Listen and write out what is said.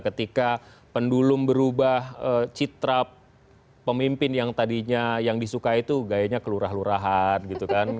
ketika pendulum berubah citra pemimpin yang tadinya yang disukai itu gayanya kelurahan lurahan gitu kan